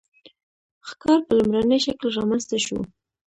ښکار په لومړني شکل رامنځته شو.